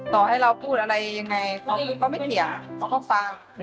ต่อให้เราพูดอะไรอย่างไรเขาก็ไม่เขียนเขาฟัง